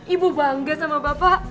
ibu bangga sama bapak